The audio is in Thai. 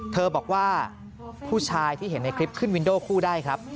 เธอบอกว่าผู้ชายที่เห็นในคลิปขึ้นวินโดคู่ได้ครับ